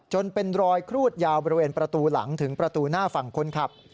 เป็นรอยครูดยาวบริเวณประตูหลังถึงประตูหน้าฝั่งคนขับ